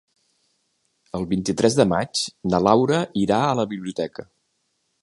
El vint-i-tres de maig na Laura irà a la biblioteca.